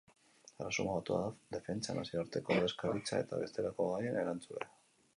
Erresuma Batua da defentsa, nazioarteko ordezkaritza eta bestelako gaien erantzule.